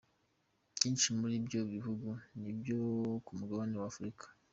Byinshi muri ibyo bihugu ni ibyo ku mugabane wa Afurika.